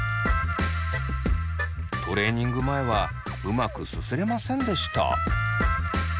トレーニング前はうまくすすれませんでした。